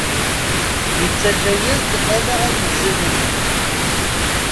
Yettaǧǧa-yas-d ala ayen ẓiden deg yimi.